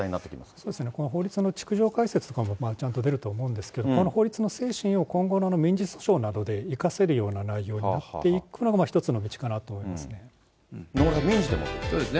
そうですね、この法律のちくじょうかいせつというのがちゃんと出ると思うんですけれども、この法律の精神を今後の民事訴訟などで生かせるような内容になっていくのが一つの道かなと思いますね。